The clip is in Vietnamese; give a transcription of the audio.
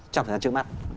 trong thời gian trước mắt